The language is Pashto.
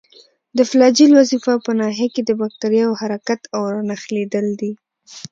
د فلاجیل وظیفه په ناحیه کې د باکتریاوو حرکت او نښلیدل دي.